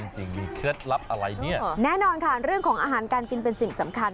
จริงมีเคล็ดลับอะไรเนี่ยแน่นอนค่ะเรื่องของอาหารการกินเป็นสิ่งสำคัญ